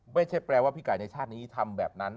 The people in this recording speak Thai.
ไม่ใช่แปลว่าพี่ไก่ในชาตินี้ทำแบบนั้น